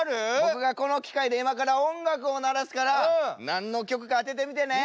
僕がこの機械で今から音楽を鳴らすから何の曲か当ててみてね。